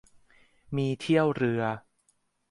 มีเที่ยวเรือ